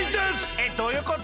えっどういうこと？